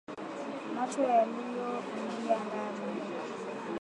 Macho yaliyoingia ndani